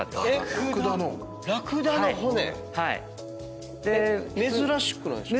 ⁉ラクダの骨⁉珍しくないですか？